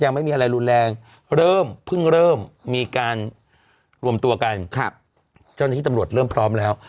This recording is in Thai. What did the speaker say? ไม่มีอะไรรุนแรงเริ่มเพิ่งเริ่มมีการรวมตัวกันครับเจ้าหน้าที่ตำรวจเริ่มพร้อมแล้ว